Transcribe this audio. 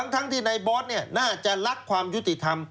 ทั้งที่ในบอสน่าจะรักความยุติธรรม